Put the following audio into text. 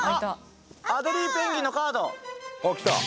アデリーペンギンのカードあった！